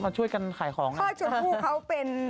เขาช่วยกันขายของพ่อชมพู่เขาเป็น